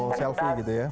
oh selfie gitu ya